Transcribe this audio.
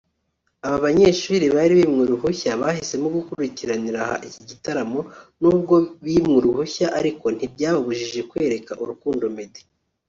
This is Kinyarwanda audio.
Aba banyeshuri bari bimwe uruhushya bahisemo gukurikiranira aha iki gitaramoNubwo bimwe uruhushya ariko ntibyababujije kwereka urukundo Meddy